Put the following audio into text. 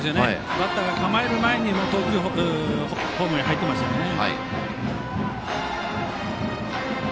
バッターが構える前に投球フォームに入ってましたよね。